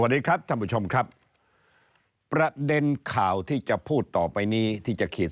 สวัสดีครับท่านผู้ชมครับประเด็นข่าวที่จะพูดต่อไปนี้ที่จะเขียน